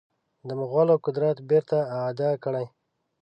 د مغولو قدرت بیرته اعاده کړي.